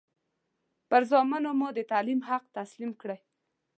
پر زامنو مو د تعلیم حق تسلیم کړی دی.